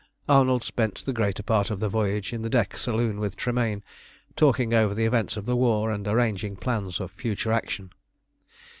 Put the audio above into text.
Arnold spent the greater part of the voyage in the deck saloon with Tremayne, talking over the events of the war, and arranging plans of future action.